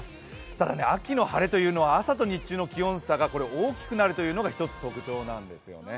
ただ、秋の晴れというのは朝と日中の気温差が大きくなるのが一つ特徴なんですよね。